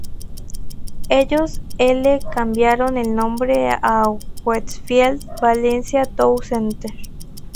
Ellos ele cambiaron el nombre a "Westfield Valencia Town Center".